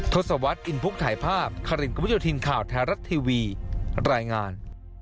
ทศวรรษอินภุกษ์ถ่ายภาพขรินกมจถินข่าวแทรรัตทีวีรายงาน